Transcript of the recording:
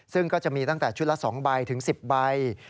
ซึ่งก็จะมีตั้งแต่ชุดละ๒ใบถึง๑๐ใบ